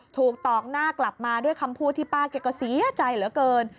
ตอกหน้ากลับมาด้วยคำพูดที่ป้าแกก็เสียใจเหลือเกิน